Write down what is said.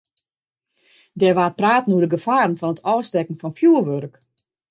Der waard praat oer de gefaren fan it ôfstekken fan fjoerwurk.